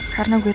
karena gue tau